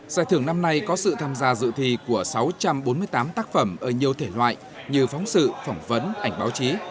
giải thưởng năm nay có sự tham gia dự thi của sáu trăm bốn mươi tám tác phẩm ở nhiều thể loại như phóng sự phỏng vấn ảnh báo chí